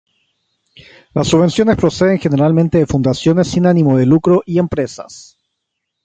Las subvenciones proceden generalmente de fundaciones sin ánimo de lucro y empresas.